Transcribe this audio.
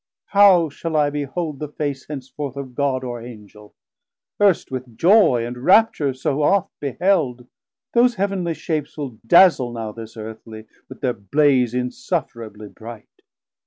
How shall I behold the face 1080 Henceforth of God or Angel, earst with joy And rapture so oft beheld? those heav'nly shapes Will dazle now this earthly, with thir blaze Insufferably bright.